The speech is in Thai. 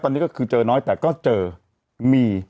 ตอนนี้ก็คือเจอน้อยแต่ก็เจอมี